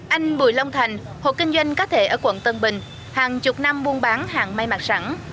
anh bùi long thành hộ kinh doanh cá thể ở quận tân bình hàng chục năm buôn bán hàng may mặt sẵn